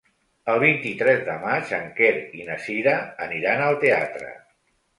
El vint-i-tres de maig en Quer i na Cira aniran al teatre.